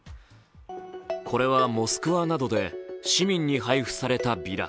これはモスクワなどで市民に配布されたビラ。